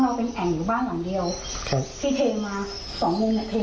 แต่อย่างนี้ค่ะบ้างหลังเขาก็อยู่ต่างประเทศ